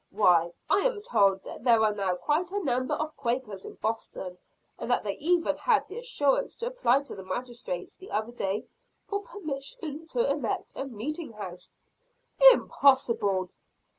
Why, I am told that there are now quite a number of Quakers in Boston; and that they even had the assurance to apply to the magistrates the other day, for permission to erect a meeting house!" "Impossible!"